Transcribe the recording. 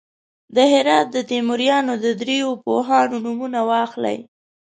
د هرات د تیموریانو د دریو پوهانو نومونه واخلئ.